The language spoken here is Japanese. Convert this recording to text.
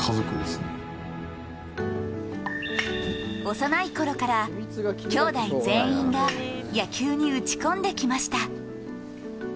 幼いころからきょうだい全員が野球に打ち込んできました。